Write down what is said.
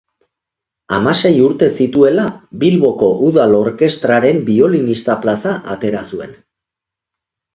Hamasei urte zituela, Bilboko Udal Orkestraren biolinista plaza atera zuen.